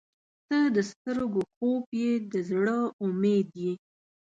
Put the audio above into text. • ته د سترګو خوب یې، د زړه امید یې.